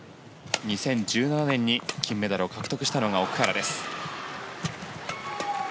２０１７年に金メダルを獲得したのが奥原です。